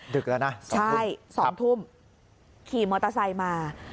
ดึกแล้วนะใช่๒ทุ่มขี่มอเตอร์ไซค์มา